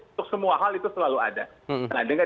untuk semua hal itu selalu ada